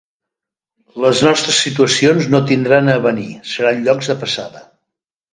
Les nostres situacions no tindran avenir, seran llocs de passada.